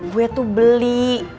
gue tuh beli